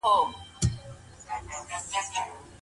موټر چلونکي د خپل قسمت شکر ادا کړ.